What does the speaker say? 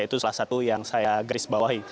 itu salah satu yang saya garis bawahi